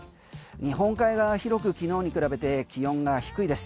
日本海が広く昨日に比べて気温が低いです。